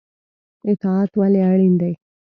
اطاعت ولې اړین دی؟